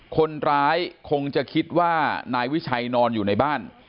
คนร้ายคงจะคิดว่านายวิชัยนอนอยู่ในบ้าน